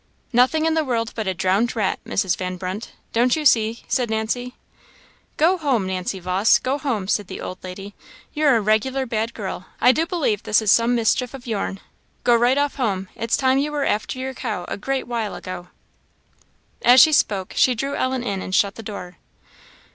"Nothing in the world but a drowned rat, Mrs. Van Brunt, don't you see?" said Nancy. "Go home, Nancy Vawse! go home," said the old lady; "you're a regular bad girl. I do believe this is some mischief o' yourn go right off home; it's time you were after your cow a great while ago." As she spoke, she drew Ellen in and shut the door.